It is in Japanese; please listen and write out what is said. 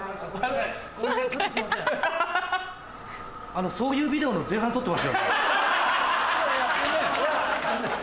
あのそういうビデオの前半撮ってますよね？